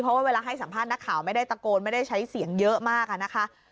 เพราะว่าเวลาให้สัมภาษณ์นักข่าวไม่ได้ตะโกนไม่ได้ใช้เสียงเยอะมากอะนะคะ